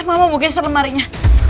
mama buka keselemarinya